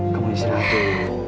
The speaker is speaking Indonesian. kamu istirahat dulu